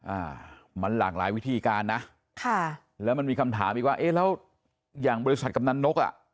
อ่ามันหลากหลายวิธีการนะค่ะแล้วมันมีคำถามอีกว่าเอ๊ะแล้วอย่างบริษัทกำนันนกอ่ะ